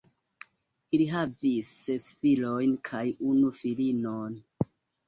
Ili havis ses filojn kaj unu filinon.